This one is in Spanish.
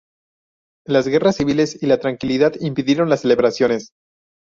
Las guerras civiles y la intranquilidad impidieron las celebraciones.